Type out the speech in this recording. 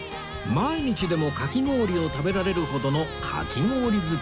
毎日でもかき氷を食べられるほどのかき氷好き